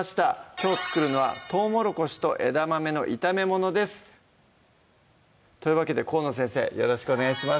きょう作るのは「トウモロコシと枝豆の炒めもの」ですというわけで河野先生よろしくお願いします